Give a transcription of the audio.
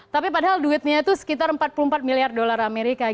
tapi padahal duitnya itu sekitar empat puluh empat miliar dolar amerika